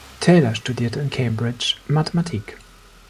Taylor studierte in Cambridge Mathematik.